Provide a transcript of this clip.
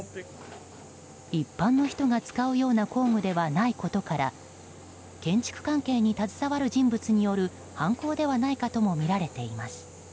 一般の人が使うような工具ではないことから建築関係に携わる人物による犯行ではないかともみられています。